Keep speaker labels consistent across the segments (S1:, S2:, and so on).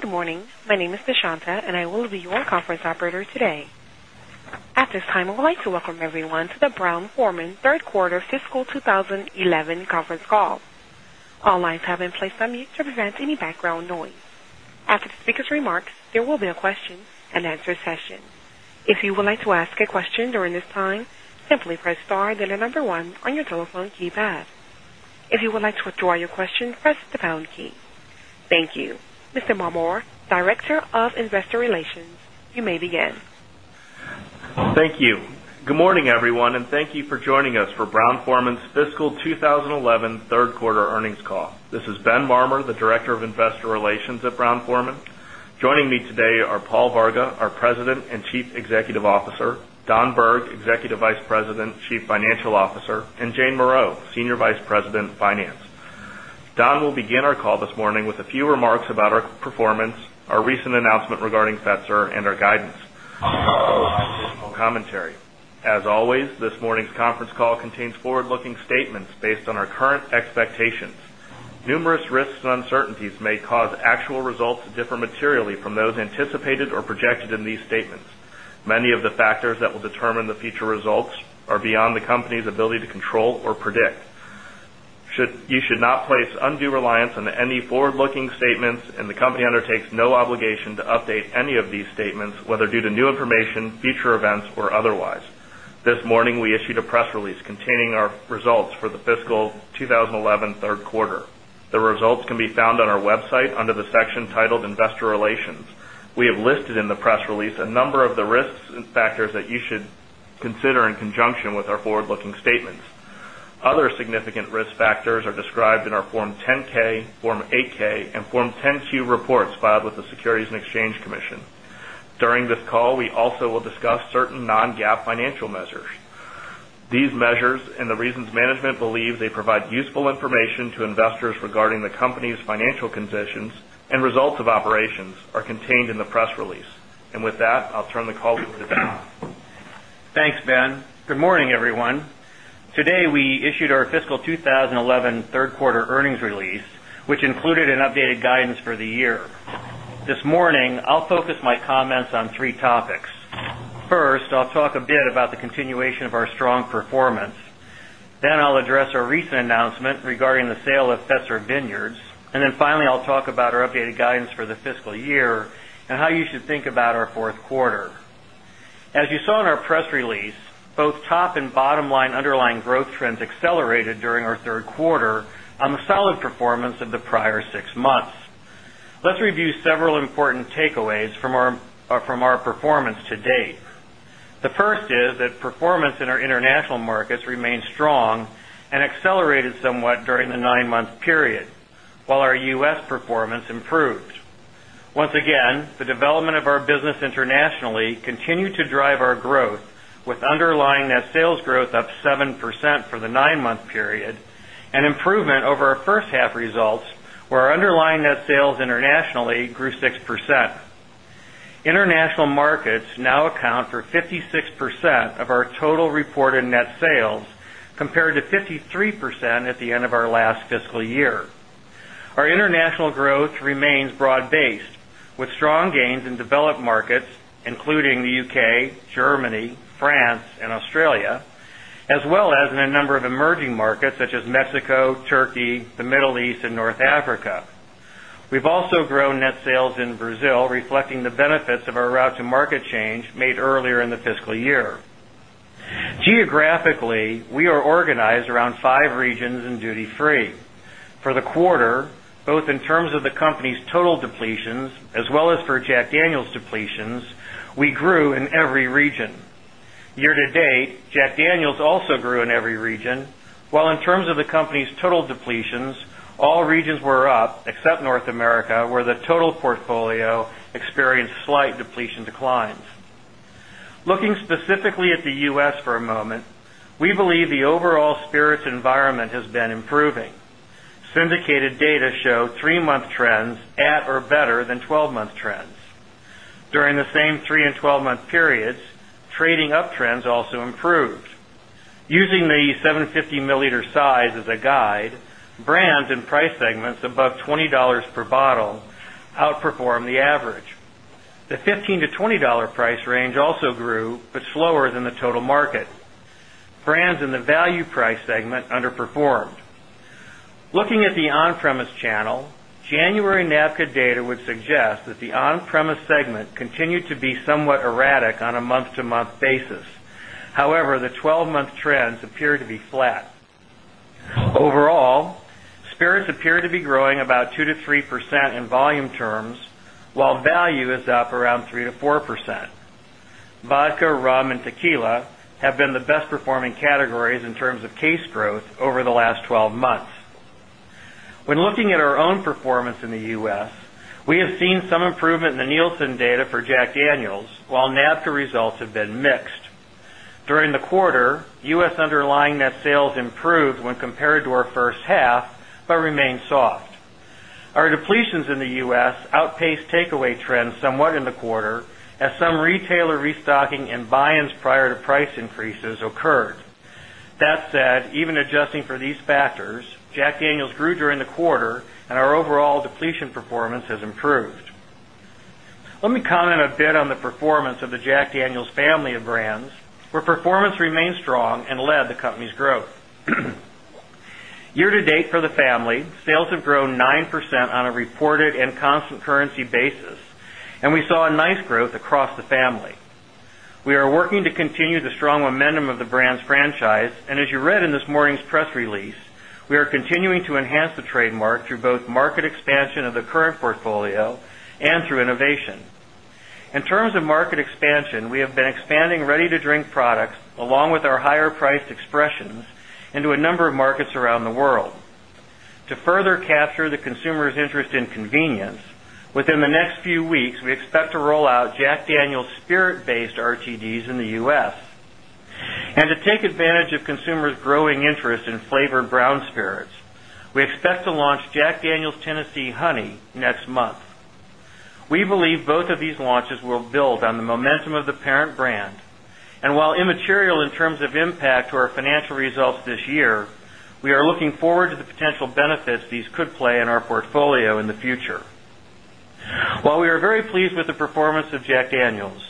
S1: Good morning. My name is Deshanta, and I will be your conference operator today. At this time, I would like to welcome everyone to the Brown Forman Third Quarter Fiscal 2011 Conference Call. All lines have been placed on mute to prevent any background noise. After the speakers' remarks, there will be a question and answer session. Thank you. Mr. Marmor, Director of Investor Relations, you may begin.
S2: Thank you. Good morning, everyone, and thank you for joining us for Brown Forman's fiscal 2011 Q3 earnings call. This is Ben Marmer, the Director of Investor Relations at Brown Forman. Joining me today are Paul Varga, our President and Chief Executive Officer Don Berg, Executive Vice President, Chief Financial Officer and Jane Moreau, Senior Vice Finance. Don will begin our call this morning with a few remarks about our performance, our recent announcement regarding Fetzer and our guidance.
S3: I will now provide
S2: additional commentary. As always, this morning's conference call contains forward looking statements based on our current expectations. Numerous risks and uncertainties may cause actual results to differ materially from those anticipated or projected in these statements. Many of the factors that will determine the future results are beyond the company's ability to control or predict. You should not place undue reliance on any forward looking statements and the company undertakes no obligation to update any of these statements whether due to new information, future events or otherwise. This morning, we issued a press release the press release a number of the risks and factors that you should consider in conjunction with our forward looking statements. Other significant risk factors are described in our Form 10 ks, Form 8 ks and Form 10 Q reports filed with the Securities and Exchange Commission. During this call, we also will discuss certain non GAAP financial measures. These measures and the reasons management believes they provide useful information to investors regarding the company's financial conditions and results of operations are contained in the press release. And with that, I'll turn the call over to Dan.
S4: Thanks, Ben. Good morning, everyone. Today, we issued our fiscal 11 Q3 earnings release, which included an updated guidance for the year. This morning, I'll focus my comments on 3 topics. First, I'll talk a bit about the continuation of our strong performance. Then I'll address our recent announcement regarding the sale of Fetzer Vineyards. And then finally, I'll talk about our updated guidance for the fiscal year and how you should think about our Q4. As you saw in our press release, both top and bottom line underlying growth trends accelerated during our Q3 on the solid performance of the prior 6 months. Let's review several important takeaways from our performance to date. The first is that performance in our international markets remained strong and accelerated somewhat during the 9 month period, while our U. S. Performance improved. Once again, the development of our business internationally continued to drive our growth with underlying net sales growth up 7% for the 9 month period, an improvement over our first half results where our underlying net sales internationally grew 6%. International markets now account for 56% of our total reported net sales compared to 53% at the end of our last fiscal year. Our and Australia, as well as in a number of emerging markets such as Mexico, Turkey, the Middle East and North Africa. We've also grown net sales in Brazil reflecting the benefits of our route to market change made earlier in the fiscal year. Geographically, we are organized around 5 regions and duty free. For the quarter, both in terms of the company's total depletions as well as for Jack Daniel's depletions, we grew in every grew in every region. Year to date, Jack Daniel's also grew in every region, while in terms of the company's total depletions, all regions were up except North for a moment, we believe the overall spirits environment has been improving. Syndicated data show 3 month Using the 7 50 milliliter size as a guide, brands and price segments above $20 per bottle outperformed the average. The $15 to $20 price range also grew, but slower than the total market. Brands in the value price segment underperformed. Looking at the on premise channel, January NAPCO data would suggest that the on premise segment continued to be somewhat erratic on a month to month basis. However, the 12 month trends appear to be flat. Overall, spirits appear to be growing about 2% to 3% in volume terms, while value is up around 3 percent to 4%. Vodka, rum and tequila have been the best performing categories in terms of case growth over the last 12 months. When looking at our own performance in the U. S, we have seen some improvement in the Nielsen data for Jack Daniels, while NAPCA results have been mixed. During the quarter, U. S. Underlying net sales improved when compared to our first half, but remained soft. Our depletions in the U. S. Outpaced takeaway trends somewhat in the quarter as some retailer restocking and buy ins prior to price increases occurred. That said, even adjusting for these factors, Jack Daniels grew during the quarter and our overall depletion performance has improved. Let me comment a bit on the performance of the Jack Daniel's family of brands, where performance remains strong and growth. Year to date for the family, sales have grown 9% on a reported and constant currency basis and we saw a nice growth across the family. We are working to continue the strong momentum of the brand's franchise and as you read in this morning's press release, we are continuing to enhance the trademark through both market expansion of the current portfolio and through innovation. In terms of market expansion, we have been expanding ready to drink products along with our higher priced expressions into a number of markets around the world. To further capture the consumer's interest in convenience, within the next few weeks, we expect to roll out Jack Daniel's spirit based RTDs in the U. S. And to advantage of consumers' growing interest in flavored brown spirits, we expect to launch Jack Daniel's Tennessee Honey next month. We believe both of these launches will build on the momentum of the parent brand. And while immaterial in terms of impact to our financial results this year, we are looking forward to the potential benefits these could play in our portfolio in the future. While we are very pleased with the performance of Jack Daniels,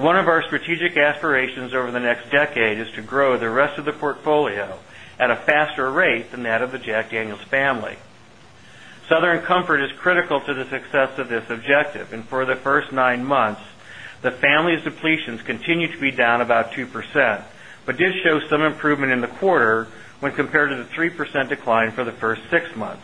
S4: one of our strategic aspirations over the next decade is to grow the rest of the portfolio at a faster rate than that of the Jack Daniels family. Southern Comfort is critical to the success of this objective. And for the 1st 9 months, the family's depletions continue to be down about 2%, but did show some improvement in the quarter when compared to the 3% decline for the 1st 6 months.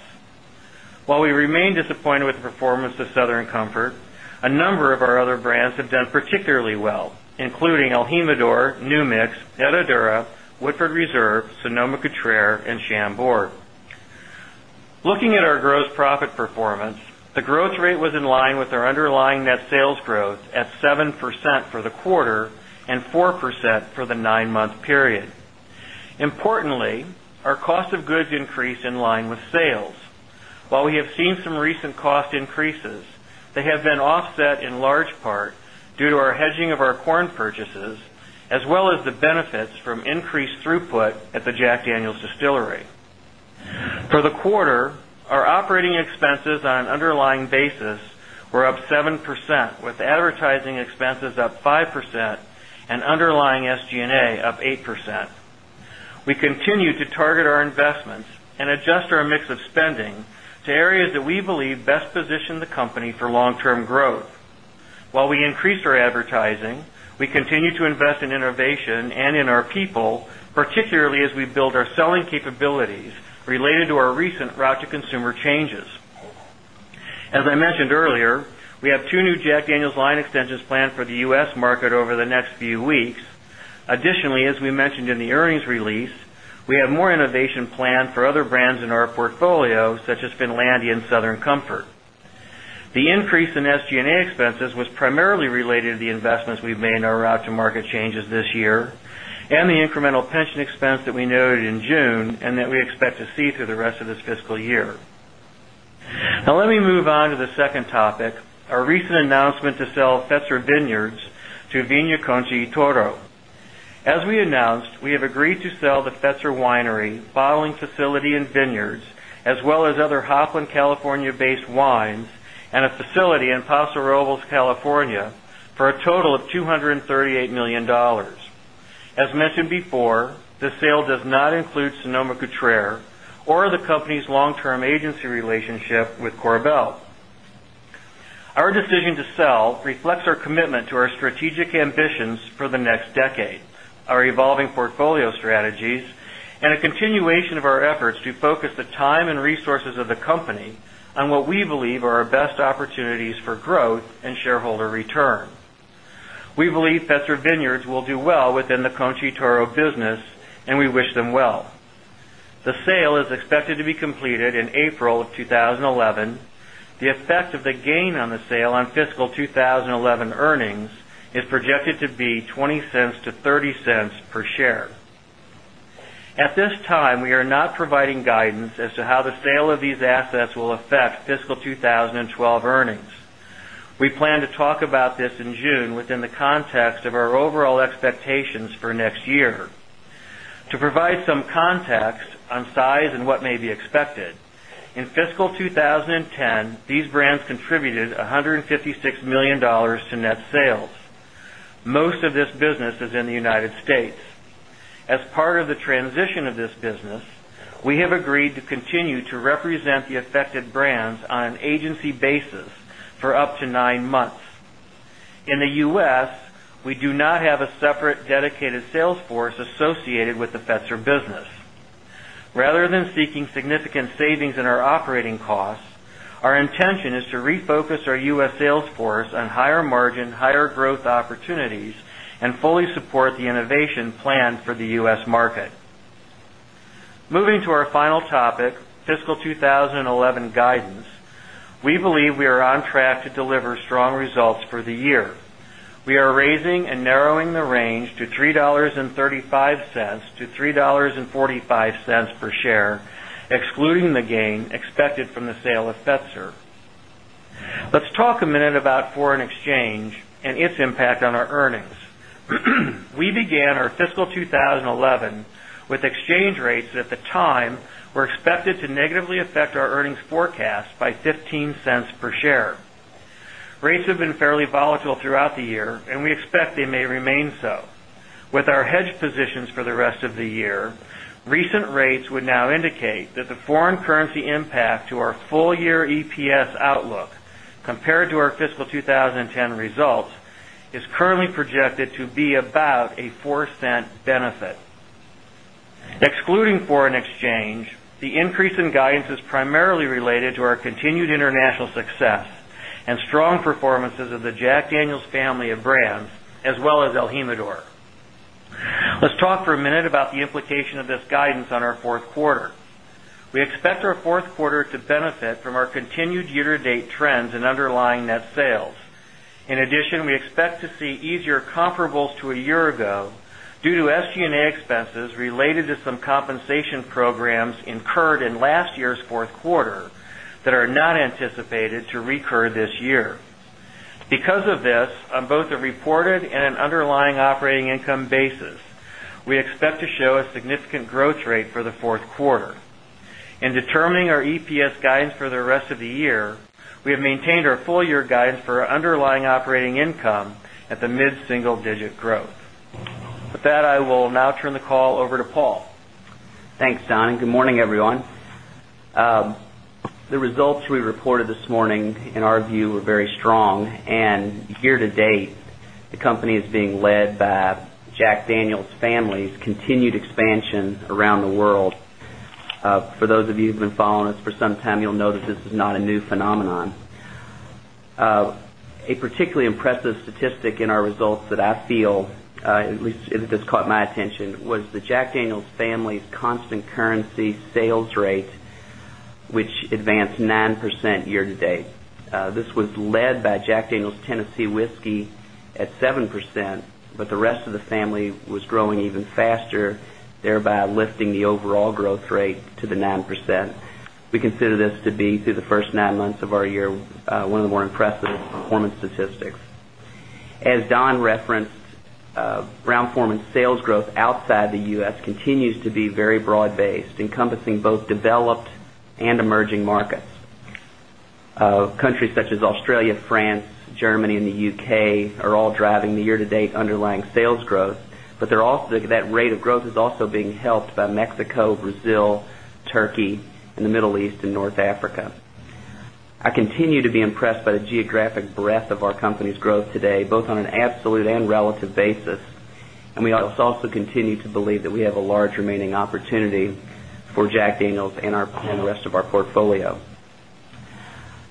S4: While we remain disappointed with the performance of Southern Comfort, a number of our other brands have done particularly well, including El Jimador, New Mix, at 7% for the quarter and 4% for the 9 month period. Importantly, our cost of goods increased in line with sales. While we have seen some recent cost increases, they have been offset in large part due to our hedging of our corn purchases, as well as the benefits from increased throughput at the Jack Daniel's distillery. For the quarter, our operating expenses on an underlying basis were up 7 percent with advertising expenses up 5% and underlying SG and A up 8%. We continue to target and adjust our mix of spending to areas that we believe best position the company for long term growth. While we increased our advertising, we continue to invest in innovation and in our people, particularly as we build our selling capabilities related to our recent route to consumer changes. As I mentioned earlier, we have 2 new Jack Daniel's line extensions planned for the U. S. Market over the next few weeks. Additionally, as mentioned in the earnings release, we have more innovation planned for other brands in our portfolio such as Finlandia and Southern Comfort. The increase in SG and A expenses was primarily related to the investments we've made in our route to market changes this year and the incremental pension expense that we noted in June and that we expect to see through the rest of this fiscal year. Now, let me move on to the second topic, our recent announcement to sell Vineyards to Vina Conchi Toro. As we announced, we have agreed to sell the Fetzer winery bottling facility and vineyards as well as other mentioned before, the sale does not include Sonoma Cutre or the company's long term agency relationship with CorVel. Our decision to sell reflects our commitment to our strategic ambitions for the next decade, our evolving portfolio strategies and a continuation of our efforts to focus the time and resources of the company on what we believe are our best opportunities for growth and shareholder return. We believe that Petra Vineyards will do well within the Conchi Toro business and we wish them well. The sale is expected to be completed in April of 2011. The effect of the gain on the sale on fiscal 2011 earnings is projected to be 0 point $2 to 0 point context on size and what may be expected, in fiscal 2010, these brands contributed $156,000,000 to net sales. Most of this business is in the United States. As part of the transition of this business, we have agreed to continue associated with the Fetzer business. Rather than seeking significant savings in our operating costs, the U. S. Market. Moving track to deliver strong results for the year. We are raising and narrowing the range to 3.35 dollars to $3.45 per share, excluding the gain expected from the sale of Fetzer. Let's talk a minute about foreign exchange and its impact on our earnings. We began our fiscal 2011 with exchange rates at the time were expected to negatively affect our earnings forecast by $0.15 per share. Rates have been fairly volatile throughout the year and foreign currency impact to our full year EPS outlook compared to our fiscal 2010 results is currently projected to be about a $0.04 benefit. Excluding foreign exchange, the increase in guidance is primarily related to our continued international success and strong performances of the Jack Daniel's family of brands as well as El Jimador. Let's talk for a minute about the implication of this guidance on our Q4. We expect our Q4 to benefit from our continued year to date trends in underlying net sales. In addition, we expect to see easier comparables to a year ago due to SG and A expenses related to some compensation the In determining our EPS guidance for the rest of the year, we have maintained our full year guidance for underlying operating income at the mid single digit growth. With that, I will now turn the call over to Paul.
S5: Thanks, Don, and good morning, everyone. The results we reported this morning in our view were very strong and year to date, the company is being led by Jack Daniel's family's continued expansion around the world. For those of you who've been following us for some time, you'll know that this is not a new phenomenon. A particularly impressive statistic in our results that I feel at least this caught my attention was the Jack Daniel's family's constant currency sales rate, which advanced 9% year to date. This was led by Jack Daniel's Tennessee Whiskey at 7 months of our year months of our year, one of the more impressive performance statistics. As Don referenced, brown formant sales growth outside the U. S. Continues to be very broad based encompassing both developed and emerging markets. Countries such as Australia, France, Germany and the UK are all driving the year to date underlying sales growth, but they're also that rate of growth is also being helped by today both on an absolute and relative basis. And we also continue to believe that we have a large remaining opportunity for Jack Daniels and the rest of our portfolio.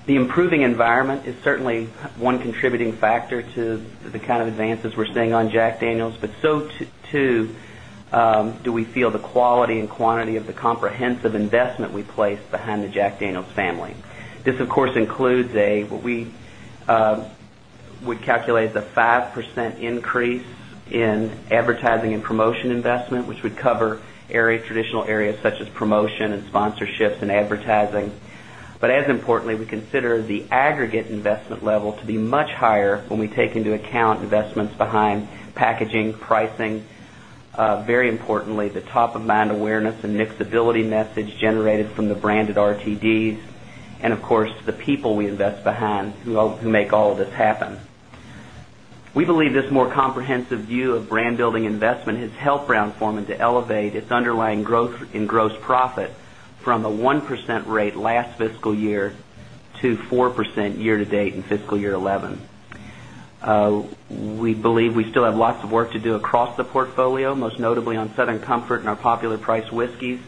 S5: The improving environment is certainly one contributing factor to the advances we're seeing on Jack Daniels, but so to do we feel the quality and quantity of the comprehensive investment we place behind the Jack Daniel's family. This of course includes a what we would calculate the 5% increase in advertising and promotion investment, which would cover areas, traditional areas such as promotion and sponsorships and advertising. But as importantly, we consider the aggregate investment level to be much higher when we take into account investments behind packaging, pricing, very importantly, the top of mind awareness and mixability message generated from the branded RTDs and of course, the people we invest behind who make all of this happen. We believe this more comprehensive view of brand building investment has helped Brown Forman to elevate its underlying growth in gross profit from a 1% rate last fiscal year to 4% year to date fiscal year 2011. We believe we still have lots of work to do across the portfolio, most notably on Southern Comfort and our popular price whiskeys.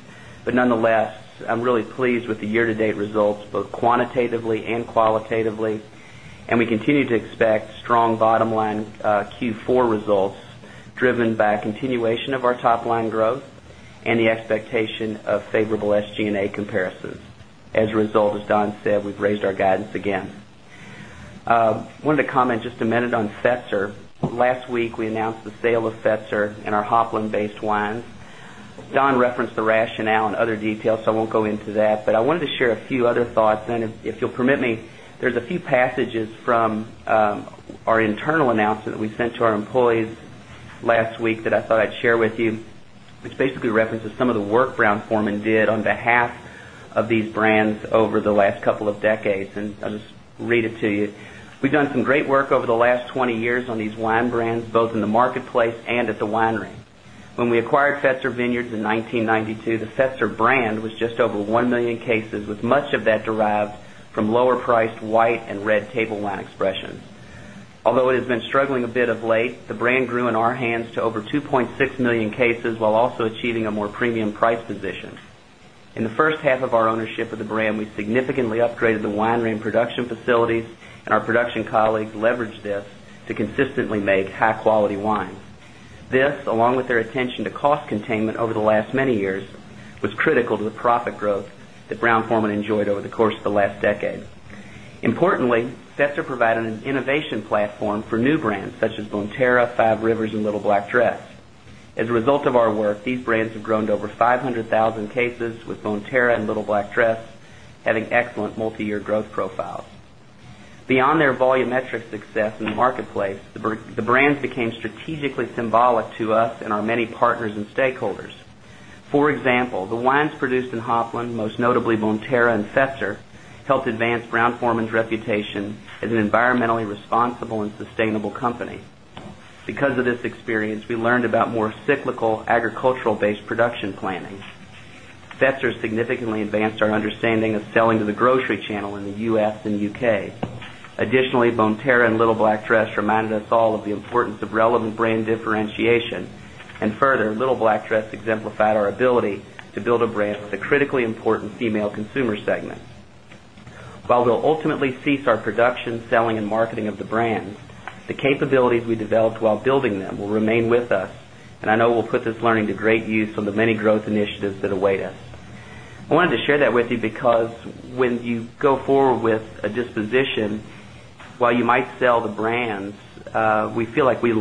S5: But nonetheless, I'm really pleased with the year to date results both quantitatively and qualitatively. And we continue to expect strong bottom line Q4 results driven by continuation of our top line growth and the expectation of favorable SG and A comparisons. As a result, as Don said, we've raised our guidance again. Wanted to comment just a minute on Fetzer. Last week, we announced the sale of Fetzer in our Hovland based wines. Don referenced the rationale and other so I won't go into that. But I wanted to share a few other thoughts and if you'll permit me, there's a few passages from our internal announcement that we sent our employees last week that I thought I'd share with you, which basically references some of the work Brown Forman did on behalf of these brands over the last couple of decades and I'll just read it to you. We've done some great work over the last 20 years on these wine brands, both in the marketplace and at the winery. When we acquired Fetzer Vineyards in 1992, the Fetzer brand was just over 1,000,000 cases with much of that derived from lower priced white and red table line expression. Although it has been struggling a bit of late, the brand grew in our hands to over 2,600,000 cases while also achieving a more premium price position. In the first half of our ownership of the brand, we significantly upgraded the winery and production facilities and our production colleagues leveraged this to consistently make high quality wine. This along with their attention to cost containment over the last many years was critical to the profit growth that Brown Forman enjoyed over the course of the last decade. Importantly, Festor provided an innovation Setzer having excellent multiyear growth profiles. Beyond their volumetric success in the marketplace, the brands became strategically symbolic to us and our many partners and stakeholders. For example, the wines produced in Hovland, most notably Monterra and Festor helped advance Brown Forman's reputation as an environmentally responsible and sustainable company. Because of this experience, we learned about more cyclical agricultural based production planning. Fetzer significantly advanced our understanding of selling to the grocery channel in the U. S. And UK. Additionally, Bonterra and Little Black Dress reminded us all of importance of relevant brand differentiation. And further, Little Black Dress exemplified our ability to build a brand with a critically important female consumer segment. While we'll ultimately cease our production, selling and marketing of the brand, the capabilities we developed while building them will remain with us And I know we'll put this learning to great use from the many growth initiatives that await us. I wanted to share that with you because when you go forward with a disposition, while you might sell the brands, we feel like we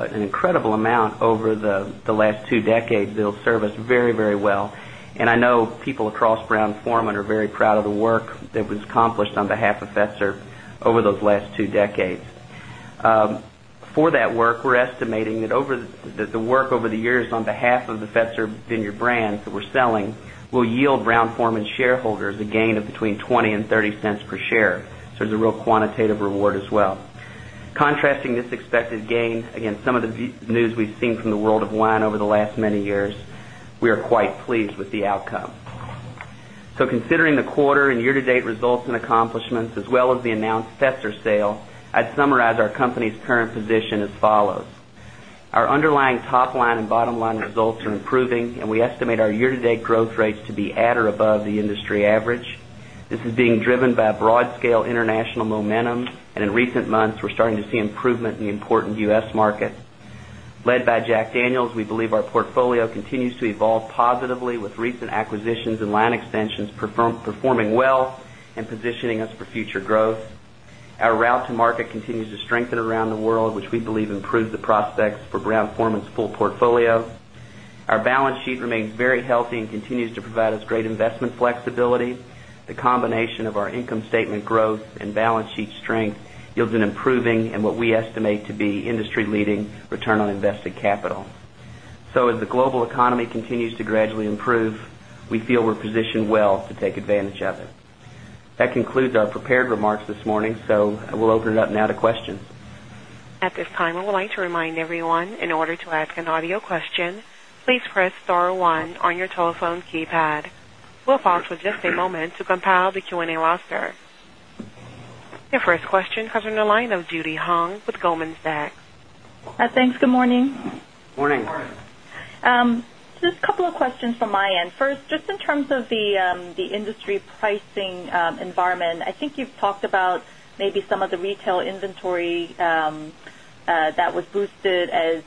S5: learned an incredible amount over the last 2 decades, they'll serve us very, very well. And I know people across Brown Forman are very proud of the work that was accomplished on behalf of FSR over those last 2 decades. For that work, we're estimating that over the work over the years on behalf of the Fesser Vineyards brand that we're selling will yield Brown Forman shareholders a gain of between $0.20 $0.30 per share. So, it's a real quantitative reward as well. Contrasting this expected gain against some of the news we've seen from the world of wine over the last many years, we are quite pleased with the outcome. So considering the quarter and year to date results and accomplishments, well as the announced Fetzer sale, I'd summarize our company's current position as follows. Our underlying top line and bottom line results are improving and we estimate our year to date growth rates to be at or above the industry average. This is being driven by broad scale international momentum and in recent months we're starting to see improvement in the important U. S. Market. Led by Jack Daniels, we believe our portfolio continues to evolve positively with recent acquisitions and Forman's full portfolio. Our balance sheet remains very healthy and continues to provide us great investment flexibility. The combination of our income statement growth and balance sheet strength yields an improving and what we estimate to be industry leading return on invested capital. So as the global economy continues to gradually improve, we feel we're positioned well to take advantage of it. That concludes our prepared remarks this morning. So, I will open it up now to questions.
S1: Your first question comes from the line of Judy Hong with Goldman Sachs.
S6: Thanks. Good morning.
S5: Good morning.
S6: Just a couple of questions from my end. First, just in terms of the industry pricing environment, I think you've talked about maybe some of the retail inventory that was boosted as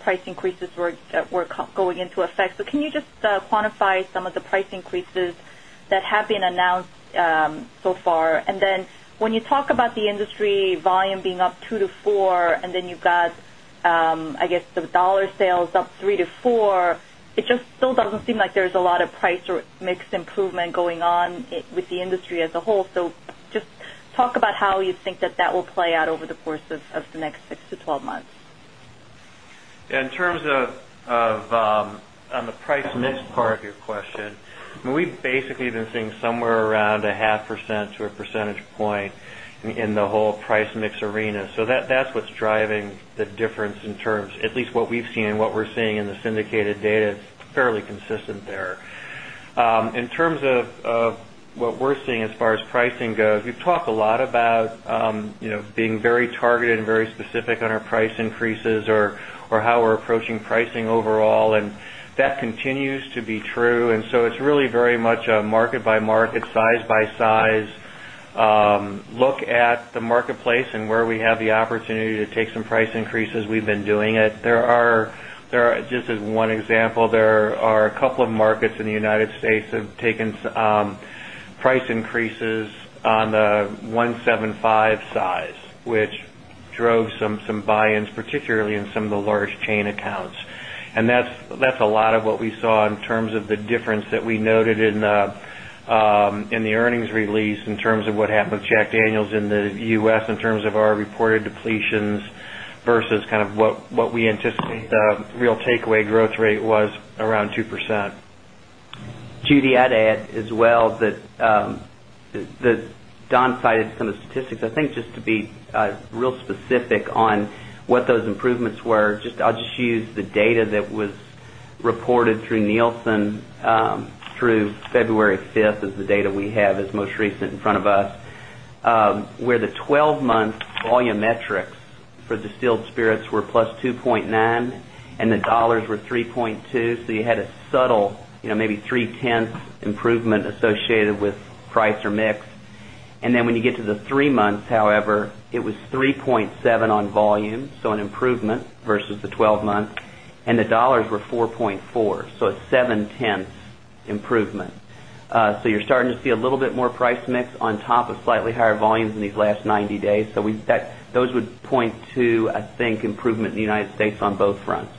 S6: price increases were going into effect. So can you just quantify some of the price increases that have been announced so far? And then when you talk about the industry volume being up 2% to 4%, and then you've got, I guess, the dollar sales up 3% to 4%, It just still doesn't seem like there's a lot of price or mix improvement going on with the industry as a whole. So just talk about how you think that that will play out over the course of the next 6 to 12 months?
S4: Yes. In terms of on the price mix part of your question, we've basically been seeing somewhere around 0.5% to a percentage point in the whole price mix arena. So that's what's driving the difference what we're seeing as far what we're seeing as far as pricing goes, we've talked a lot about being very targeted and very specific on our price increases or how we're approaching pricing overall. And that continues to be true. And so it's really very much a market by market, size by size, look at the marketplace and where we have the opportunity to take some price increases we've been doing it. There are just as one example, there are a couple of markets in the United States have taken price increases on the 1 $7.5 size, which drove some buy ins, particularly in some of the large chain accounts. And that's a lot of what we saw in terms of the difference kind of what we anticipate the real takeaway growth rate was around 2%. Judy, I'd add as well that
S5: Don cited some of the statistics. I think just to be real specific on what those improvements were, I'll just use the data that was reported through Nielsen through February 5 is the data we have is most recent in front of us, where the 12 month volume metrics for distilled spirits were plus 2.9 and the dollars were 3.2. So you had a subtle maybe 3 tenths improvement associated with price or mix. And then when you get to the 3 months, however, it was 3 0.7 on volume, so an improvement versus the 12 months and the dollars were 4.4, so it's 0.7 improvement. So you're starting to see a little bit more price mix on top of slightly higher volumes in these last 90 days. So those would point to I think improvement in the United States on both fronts.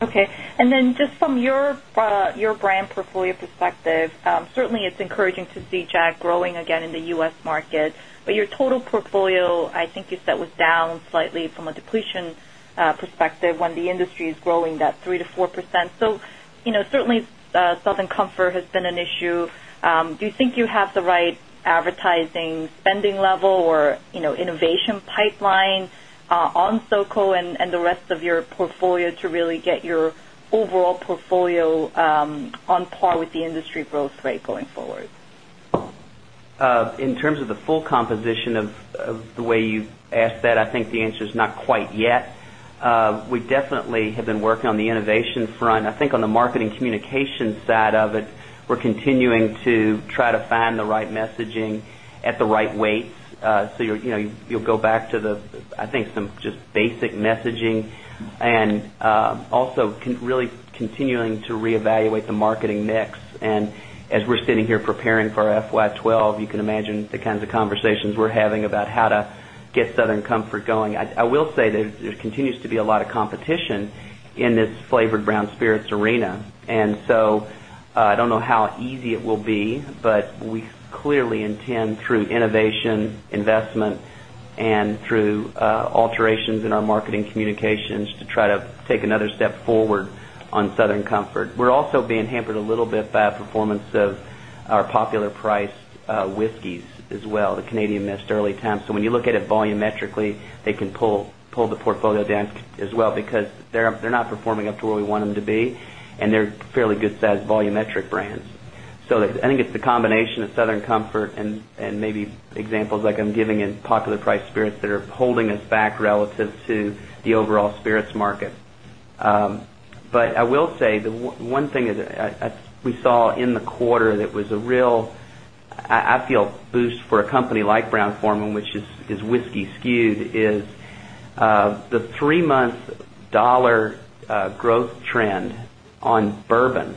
S6: Okay. And then just from your brand portfolio perspective, certainly it's encouraging to see JAK growing again in the U. S. Market. But your total portfolio, I think you said was down slightly from a depletion perspective when the industry is growing that 3% to 4%. So certainly Southern Comfort has been an issue. Do you think you have the right advertising spending level or innovation pipeline on Soko and the rest of your portfolio to really get your overall portfolio on par with the industry growth rate going forward?
S5: In terms of the full composition of the way you asked that, I think the answer is not quite yet. We definitely have been working on the innovation front. I think on the marketing communication side of it, we're continuing to try to find the right messaging at the right weight. So you'll go back to the I think some just basic messaging and also really continuing to reevaluate marketing mix. And as we're sitting here preparing for FY 'twelve, you can imagine the kinds of conversations we're having about how to get Southern Comfort going. I will say that there continues to be a lot of competition in this flavored brown spirits arena. And so I don't know how easy it will be, but we clearly intend through innovation, investment and through alterations in our marketing communications to try to take another step forward on Southern Comfort. We're also being hampered a little bit by performance of our popular price whiskeys as well, the Canadian Mist early time. So when you look at it volumetrically, they can the portfolio down as well because they're not performing up to where we want them to be and they're fairly good sized volumetric brands. So I think it's popular price spirits that are holding us back relative to the overall spirits market. But I will say the one thing that we saw in the quarter that was a real, I feel boost for a company like Brown Forman, which is whiskey skewed is the 3 month dollar growth trend on bourbon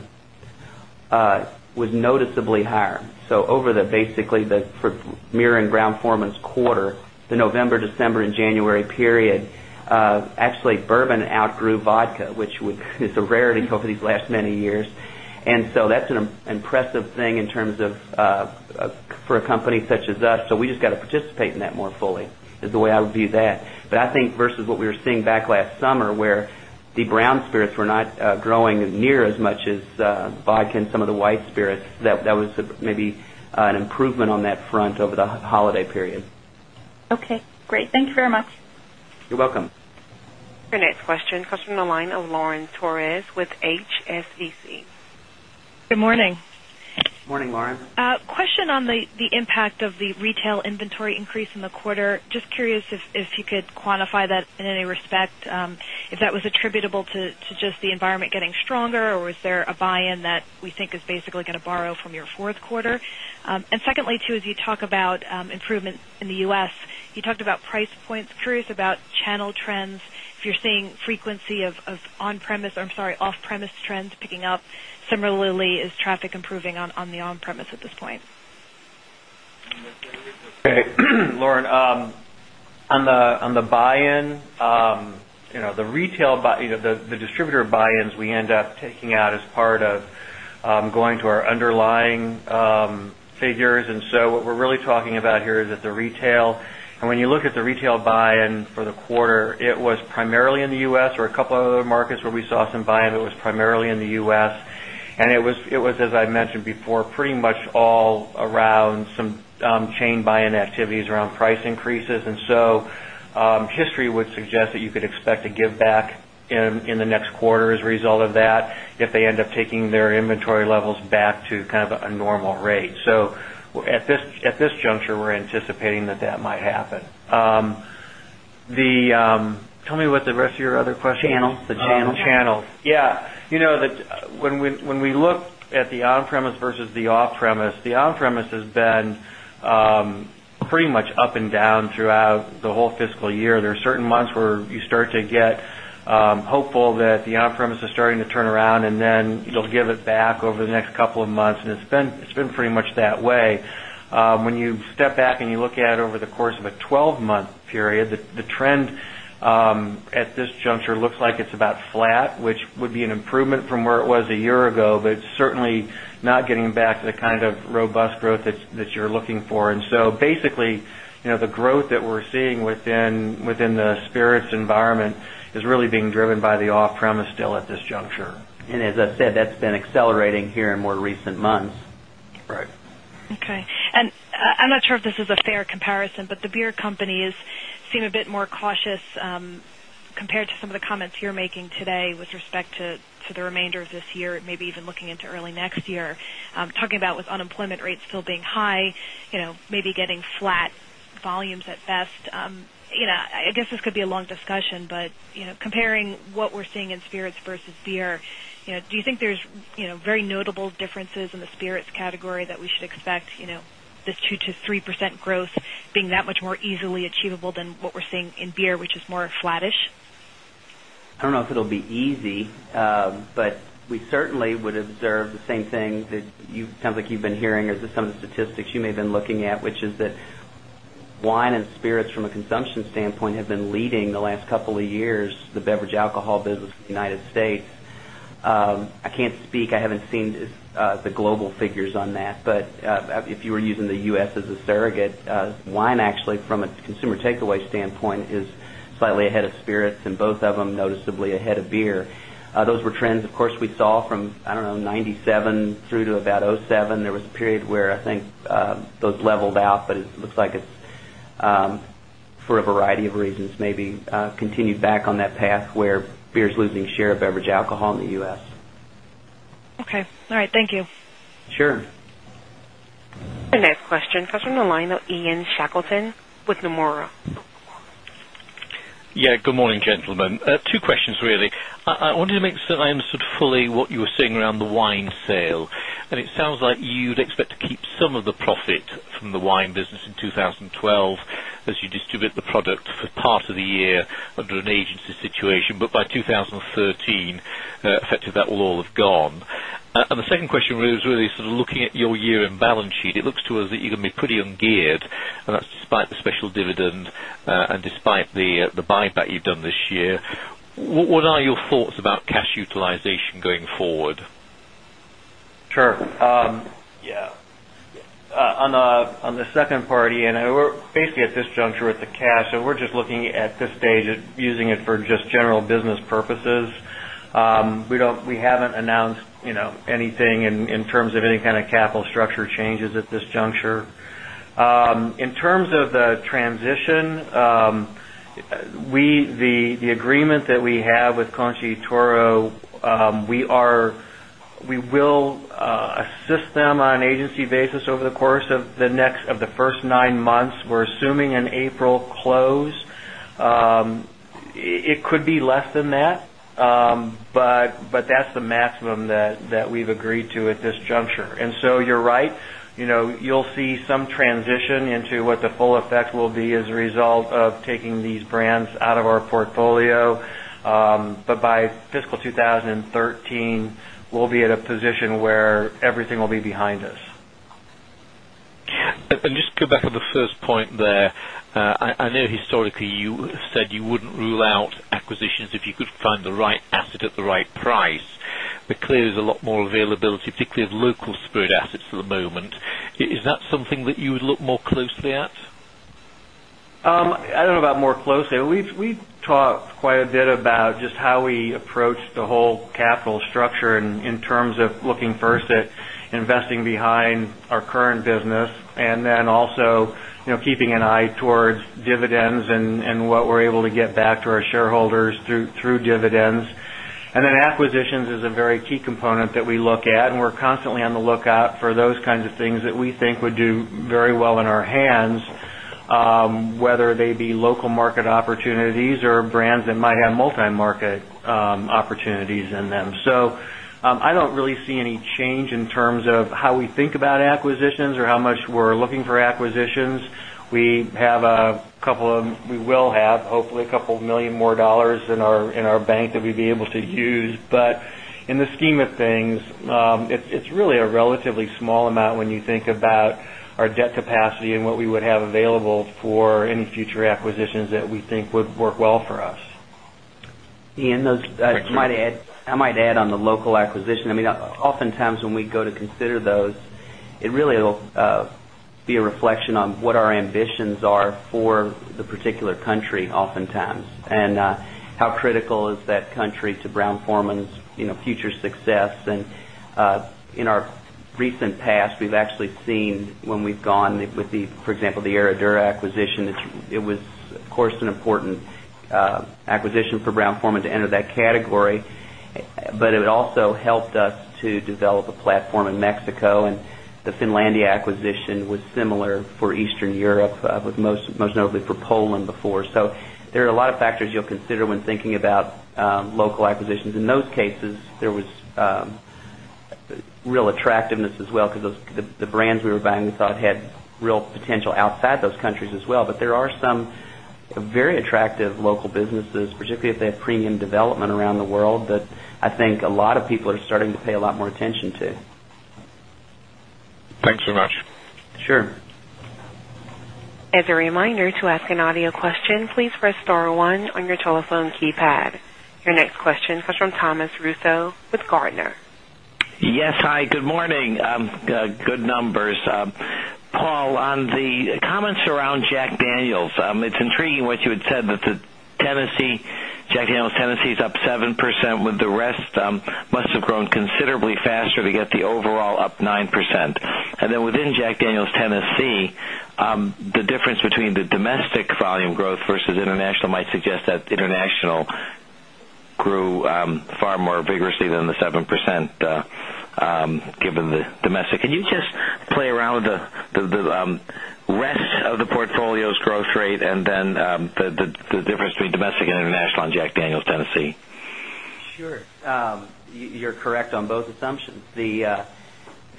S5: was noticeably higher. So over the basically the mirror and ground foreman's quarter, the November, December January period, actually Bourbon outgrew vodka, which is a rarity over these last many years. And so that's an impressive thing in terms of for a company such as us. So we just got to participate in that more is the way I would view that. But I think versus what we were seeing back last summer where the brown spirits were not growing near as much as vodka and some of the white spirits that was maybe an improvement on that front over the holiday period.
S6: Okay, great. Thanks very much.
S3: You're welcome.
S1: Your next question comes from the line of Lauren Torres with HSBC. Good morning. Good morning, Lauren.
S7: Question on the impact of the retail inventory increase in the quarter. Just curious if you could quantify that in any respect, if that was attributable to just the environment getting stronger or is there a buy in that we think is basically going to borrow from your Q4? And secondly, too, as you talk about improvement in the U. S, you talked about price points. Curious about channel trends, if you're seeing frequency of on premise I'm sorry, off premise trends picking up, similarly is traffic improving on the on premise at this point?
S4: On the buy in, the distributor buy ins we end up taking out as part of going to our underlying figures. And so what we're really talking about here is the retail. And when you look at the retail buy in for the quarter, it was primarily in the U. S. Or a couple of other markets where we saw some buy in, it was primarily in the U. S. And it was as I mentioned before pretty much all around some chain buy in activities around price increases. And so, history would suggest that you could expect to give back in the next quarter as a result of that if they end up taking their inventory levels back to kind of a normal rate. So at this juncture, we're anticipating that that might happen. Tell me what the rest
S5: of your other question? The channel. The channel.
S4: Channel. Yes. When we look at the on premise versus the off premise, the on premise has been pretty much up and down throughout the whole fiscal year. There are certain months where you start to get hopeful that the on premise is starting to turn around and then you'll give it back over the next couple of months and it's been pretty much that way. When you step back and you look at over the course of a 12 month period, the trend at this juncture looks like it's about flat, which would be an improvement from where it was a year ago, but it's certainly not getting back to the kind of robust growth that you're looking for. And so basically, the growth that we're seeing within the spirits environment is really being driven by the off premise still at this juncture. And as I
S5: said, that's been accelerating here in more recent months. Right.
S7: Okay. And I'm not sure if this is a fair comparison, but the beer companies seem a bit more cautious compared to some of the comments you're making today with respect to the remainder of this year, maybe even looking into early next year, talking about with unemployment rates still being high, maybe getting flat volumes at best. I guess this could be a long discussion, but comparing what we're seeing in spirits versus beer, do you think there's very notable differences in the spirits category that we should expect the 2% to 3% growth being that much more easily achievable than what we're seeing in beer, which is more flattish?
S5: I don't know if it will be easy, but we certainly would observe the same thing that you sounds like you've been hearing as some of the statistics you may have been looking at which is that wine and spirits from a consumption standpoint have been leading the last couple of years the beverage alcohol business in the United States. I can't speak, I haven't seen the global figures on that. But if you were using the U. S. As a surrogate, wine actually from a consumer takeaway standpoint is slightly ahead of spirits and both of them noticeably ahead of beer. Those were trends of course we saw from, I don't know, 'ninety seven through to about 'seven. There was a period where I think those leveled out, but it looks like it's for a variety of reasons maybe continued back on that path where beer is losing share of beverage alcohol in the US.
S7: Okay, all right. Thank you.
S1: Sure. The next question comes from the line of Ian Shackleton with Nomura.
S3: Yes. Good morning, gentlemen. Two questions really. I wanted to make sure I understood fully what you were seeing around the wine sale. And it sounds like you'd expect to keep some of the profit from the wine business in 2012 as you distribute the product for part of the year under an agency situation. But by 2013 effective that will all have gone? And the second question was really sort of looking at your year end balance sheet, it looks to us that you're going to be pretty ungeared and that's despite the special dividend and despite the buyback you've done this year. What are your thoughts about cash utilization going forward?
S5: Sure.
S4: On the second party, and we're basically at this juncture with the cash, so we're just looking at this stage using it for just general business purposes. We haven't announced anything in terms of any kind of capital structure changes at this juncture. In terms of the transition, the agreement that we have with Conchi Toro, we will assist them on an agency basis over the course of the next of the 1st 9 months. We're assuming an April close. It could be less than that, but that's the maximum that we've agreed to at this juncture. And so you're right, you'll see some by fiscal 2013, we'll be at a position where everything will be behind us.
S3: And just go back to the first point there. I know historically you said you wouldn't rule out acquisitions if you could find the right asset at the right price. There's a lot more availability, particularly of local spirit assets at the moment. Is that something that you would look more closely at?
S4: I don't know about more closely. We've talked quite a bit about just how we approach the whole capital structure in terms of looking shareholders through dividends. And then acquisitions is a shareholders through dividends. And then acquisitions is a very key component that we look at and we're constantly on the lookout for those kinds of things we think would do very well in our hands, whether they be local market opportunities or brands that might have multi market opportunities in them. So, I don't really see any change in terms of how we think about acquisitions or how much we're looking for acquisitions. We have a couple of we will have hopefully a couple of 1,000,000 more dollars in our bank that we'd be able to use. But in the scheme of things, it's really a relatively small amount when you think about our debt capacity and what we would have available for any future acquisitions that we think would work well for us.
S5: Ian, I might add on the local acquisition. I mean, oftentimes when we go to consider those, it really will be a reflection on what our ambitions are for the particular country oftentimes and how critical is that country to Brown Forman's future success. And in our recent past, we've actually seen when we've gone with the, for example, the Herradura acquisition, It was of course an important acquisition for Brown Forman to enter that category, but it also helped us to develop a platform in Mexico and the Finlandia acquisition was similar for Eastern Europe, but most notably for Poland before. So there are a lot of factors you'll consider when thinking about local acquisitions. In those cases, there was real attractiveness as well because the brands we were buying we thought had real potential outside those countries as well. But there are some very attractive local businesses, particularly if they have premium development around the world that I think a lot of people are starting to pay a lot more attention
S3: Thanks so much.
S5: Sure.
S1: Your next question comes from Thomas Russo with Gardner.
S8: Yes. Hi, good morning. Good numbers. Paul, on the comments around Jack Daniel's, it's intriguing what you had said that the Tennessee Jack Daniel's Tennessee is up 7% with the rest must have grown considerably faster to get the overall up 9%. And then within Jack Daniel's Tennessee, the difference between the domestic volume growth versus international might suggest that international grew far more vigorously than the 7% given the domestic. Can you just play around with the rest of the portfolio's growth rate and then the difference between domestic and international in Jack Daniels Tennessee?
S5: Sure. You're correct on both assumptions. The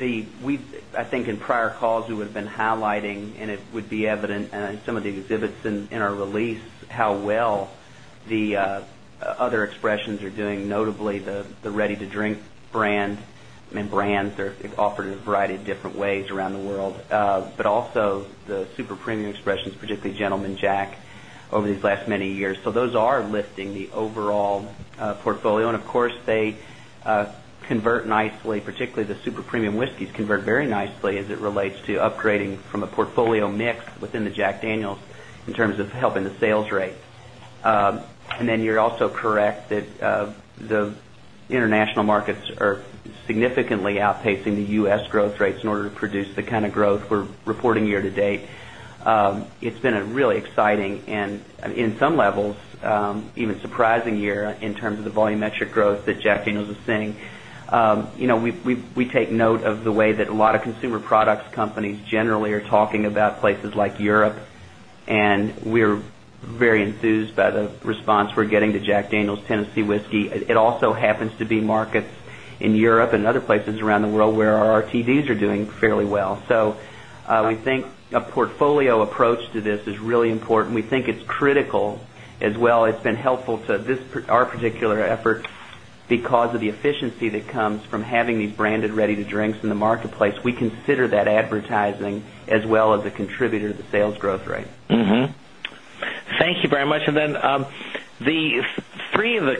S5: we I think in prior calls, we would been highlighting and it would be evident in some of the exhibits in our release how well the other expressions doing notably the ready to drink brand. I mean brands are offered in a variety of different ways around the world, but also the super premium expressions, particularly Gentleman Jack over these last many years. So those are lifting the overall portfolio. And of course, they convert nicely, particularly the super premium whiskeys convert very nicely as it relates to upgrading from a rate. And rate. And then you're also correct that the international markets are significantly outpacing the U. S. Growth rates in order to produce the kind of growth we're reporting year to date. It's been a really exciting and in some levels even surprising year in terms of the volumetric growth that Jack Daniel was saying. We take note of the way that a lot of consumer products companies generally are talking about places like Europe and we're very enthused by the response we're getting to Jack Daniel's Tennessee Whiskey. It also happens to be markets in Europe and other places around the world where our RTDs are doing fairly well. So we think a portfolio approach to this is really important. We think it's critical as well. It's been helpful to our particular effort because of the efficiency that comes from having these branded ready to drinks in the marketplace, we consider that advertising as well as a contributor to the sales growth rate.
S8: Thank you very much. And then the 3 of the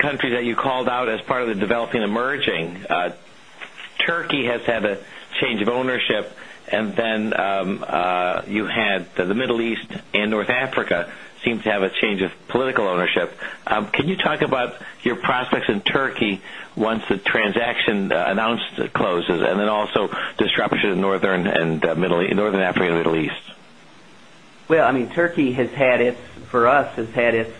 S8: countries that you called out as part of the developing emerging, Turkey has had a change of ownership and then you had the Middle East and North Africa seem to have a change of political ownership. Can you talk about your prospects in Turkey once the transaction announced closes and then also disruption in Northern Africa and Middle East?
S5: Well, I mean Turkey has had it for us has had its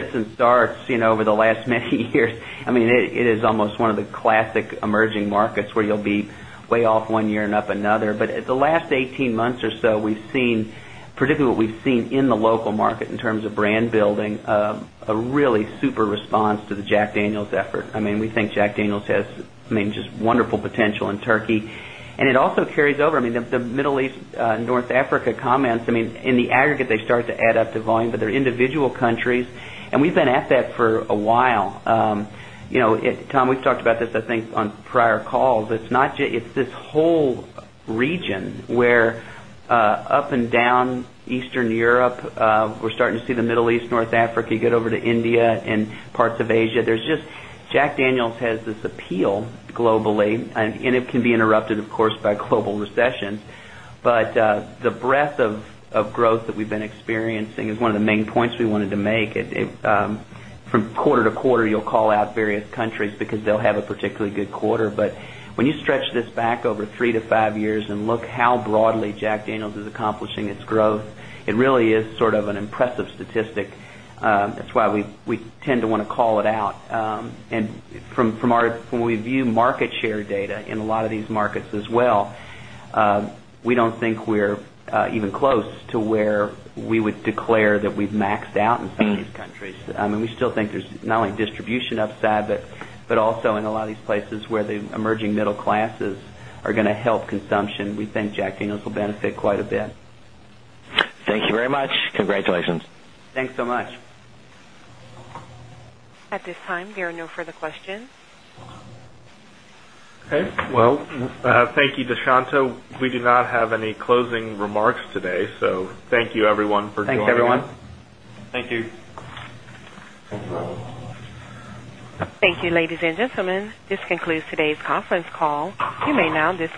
S5: fits and starts over the last many years. I mean it is almost one of the classic emerging markets where you'll be way off 1 year and up another. But the last 18 months or so, we've seen particularly what we've seen in the local market in terms of brand building, a really super response to the Jack Daniel's effort. I mean, we think Jack Daniel's has just wonderful potential in Turkey. And it also carries over I mean the Middle East, North Africa comments I mean in the aggregate they start to add up to volume but their individual countries and we've been at that for a while. Tom, we've talked about this I think on prior calls, it's not just it's this whole region where up and down Eastern Europe, we're starting to see the Middle East, North Africa get over India and parts of Asia. There's just Jack Daniels has this appeal globally and it can be interrupted of course by global recessions. But the breadth of growth that we've been experiencing is one of the main points we wanted to make. From quarter to quarter you'll call out various countries because they'll have a particularly good quarter. But when you stretch this back over 3 to 5 years and look how broadly Jack Daniel's is accomplishing its growth, it really is sort of an impressive we don we don't think we're even close to where we would declare that we've maxed out in some of
S8: these countries.
S5: I mean, we still think there's not only distribution upside, but also in a lot of these places where the emerging middle classes are going to help consumption. We think Jack Daniel's will benefit quite a bit.
S8: Thank you very much. Congratulations.
S5: Thanks so much.
S1: At this time, there are no further questions.
S2: Okay. Well, thank you, Deshanto. We do not have any closing remarks today. So, thank you everyone for joining us. Thank you, everyone. Thank you.
S1: Thank you, ladies and gentlemen. This concludes today's conference call. You may now